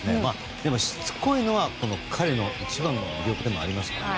でも、しつこいのは彼の一番の魅力でもありますから。